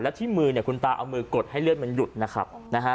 แล้วที่มือเนี่ยคุณตาเอามือกดให้เลือดมันหยุดนะครับ